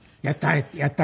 「やった！